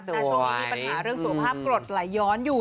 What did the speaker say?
นักฆาตนักช่วงมีปัญหาเรื่องสุขภาพกรดหลายย้อนอยู่